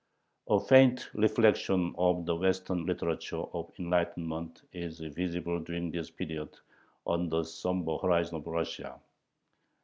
A faint reflection of the Western literature of enlightenment is visible during this period on the somber horizon of Russia.